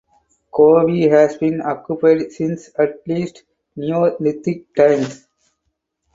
Cowie has been occupied since at least Neolithic times.